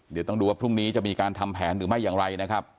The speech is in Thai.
เดี๋ยวต้องดูว่าพรุ่งนี้จะมีการทำแผนหรือไม่อย่างไรนะครับ